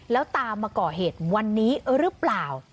แล้วตามมาก่อเหตุวันนี้หรือเปล่า